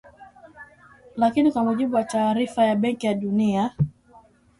Lakini kwa mujibu wa taarifa ya Benki ya Dunia